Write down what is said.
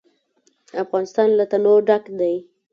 افغانستان له تنوع ډک دی.